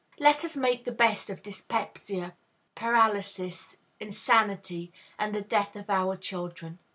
Let us make the best of dyspepsia, paralysis, insanity, and the death of our children.